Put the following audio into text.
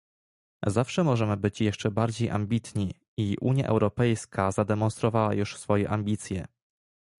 Zawsze możemy być jeszcze bardziej ambitni i Unia Europejska zademonstrowała już swoje ambicje